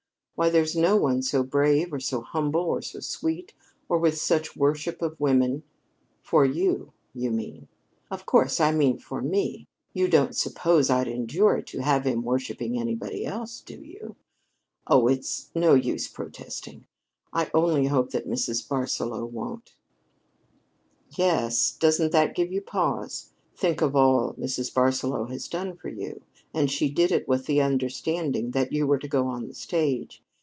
Why, there's no one so brave, or so humble, or so sweet, or with such a worship for women " "For you, you mean." "Of course I mean for me. You don't suppose I'd endure it to have him worshiping anybody else, do you? Oh, it's no use protesting. I only hope that Mrs. Barsaloux won't." "Yes, doesn't that give you pause? Think of all Mrs. Barsaloux has done for you; and she did it with the understanding that you were to go on the stage.